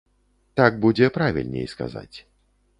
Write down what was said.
Так будзе правільней сказаць.